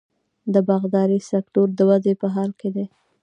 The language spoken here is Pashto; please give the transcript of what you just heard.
د باغدارۍ سکتور د ودې په حال کې دی.